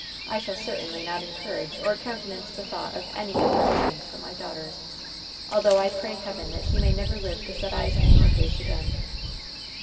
"I shall certainly not encourage or countenance the thought of any other alliance for my daughter, although I pray Heaven that she may never live to set eyes on your face again!"